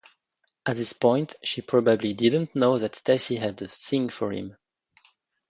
At this point she probably didn’t know that Stacy had a thing for him.